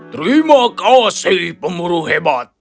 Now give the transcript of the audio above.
terima kasih pemuruh hebat